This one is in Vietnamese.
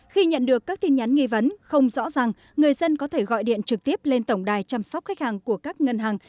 khi nhận được các tin nhắn nghi vấn không rõ ràng người dân có thể gọi điện trực tiếp lên tổng đài chăm sóc khách hàng của các ngân hàng